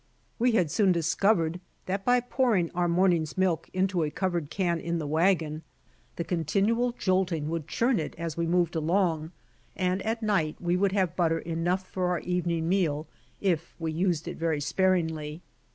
We had soon discovered that by pouring our morning's milk into a covered can in the wagon, the continual jolting w^ould churn it as we moved along, and at night we would have butter enough for our evening meal if we used it very spar ingly.